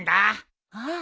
ああ！